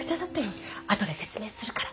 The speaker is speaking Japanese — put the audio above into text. あとで説明するから。